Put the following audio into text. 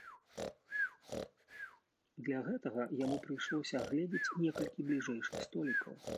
Для гэтага яму прыйшлося агледзець некалькі бліжэйшых столікаў.